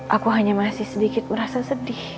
aku hanya masih sedikit merasa sedih